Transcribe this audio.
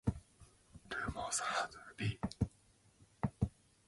Rumors had LeClair going to the Boston Bruins or perhaps the Toronto Maple Leafs.